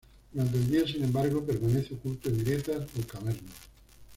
Durante el día, sin embargo, permanece oculto en grietas o cavernas.